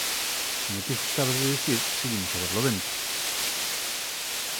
Como ti gustabas de dicir, seguimos a barlovento.